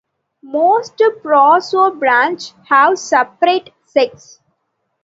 Most prosobranchs have separate sexes.